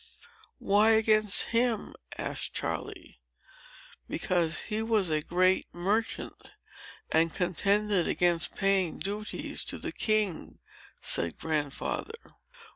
"Why against him?" asked Charley. "Because he was a great merchant, and contended against paying duties to the king," said Grandfather.